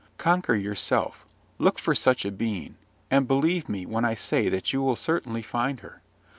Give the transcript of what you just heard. Conquer yourself: look for such a being, and believe me when I say that you will certainly find her.